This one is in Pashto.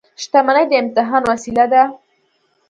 • شتمني د امتحان وسیله ده.